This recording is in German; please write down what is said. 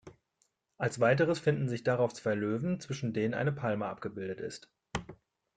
Als weiteres finden sich darauf zwei Löwen zwischen denen eine Palme abgebildet ist.